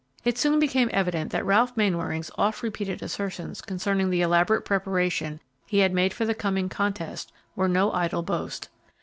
It soon became evident that Ralph Mainwaring's oft repeated assertions concerning the elaborate preparation he had made for the coming contest were no idle boast.